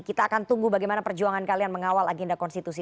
kita akan tunggu bagaimana perjuangan kalian mengawal agenda konstitusi